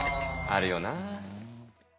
あるよな。